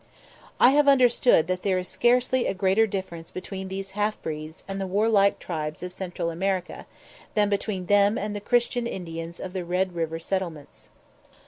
I have understood that there is scarcely a greater difference between these half breeds and the warlike tribes of Central America, than between them and the Christian Indians of the Red River settlements.